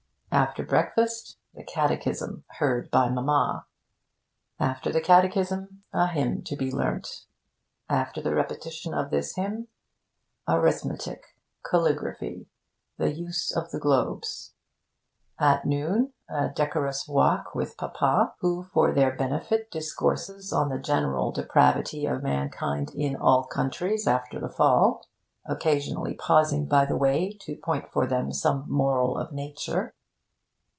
After breakfast, the Catechism (heard by Mamma). After the Catechism, a hymn to be learnt. After the repetition of this hymn, arithmetic, caligraphy, the use of the globes. At noon, a decorous walk with Papa, who for their benefit discourses on the General Depravity of Mankind in all Countries after the Fall, occasionally pausing by the way to point for them some moral of Nature.